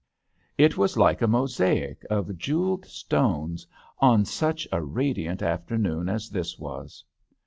It was like a mosaic of jewelled stones on such a radiant afternoon as this was.